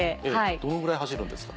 どのぐらい走るんですか？